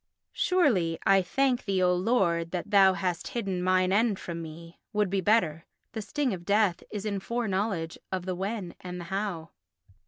Surely, "I thank thee, O Lord, that thou hast hidden mine end from me" would be better. The sting of death is in foreknowledge of the when and the how.